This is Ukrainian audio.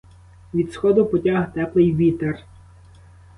Від сходу потяг теплий вітер.